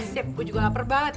chef gue juga lapar banget